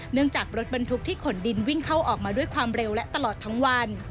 จากรถบรรทุกที่ขนดินวิ่งเข้าออกมาด้วยความเร็วและตลอดทั้งวัน